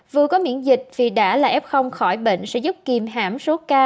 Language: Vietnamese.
vừa có miễn dịch vì đã là f khỏi bệnh sẽ giúp kiềm hảm số ca